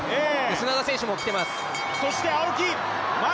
砂田選手も来ています。